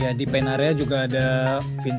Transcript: ya di pain area juga ada vincent